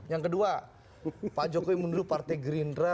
yang kedua pak jokowi menurut partai gerindra